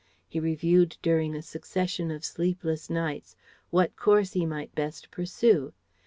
He reviewed during a succession of sleepless nights what course he might best pursue.